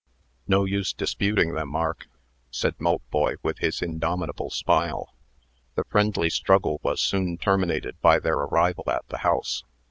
"No use disputing them, Mark," said Maltboy, with his indomitable smile. The friendly struggle was soon terminated by their arrival at the house.